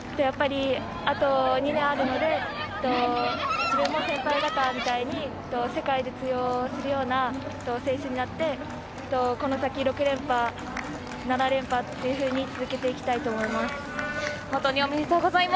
あと２年あるので自分も先輩方みたいに世界で通用するような選手になってこの先６連覇、７連覇って続けていきたいと思います。